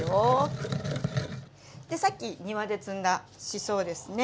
でさっき庭で摘んだしそですね。